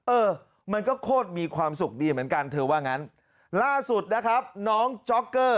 เออมันก็โคตรมีความสุขดีเหมือนกันเธอว่างั้นล่าสุดนะครับน้องจ๊อกเกอร์